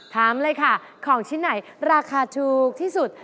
ถามเลยค่ะของชิ้นไหนราคาถูกที่สุด